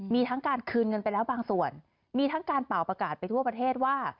มีทั้งการคืนเงินไปแล้วบางส่วนมีทั้งการเป่าประกาศไปทั่วประเทศว่า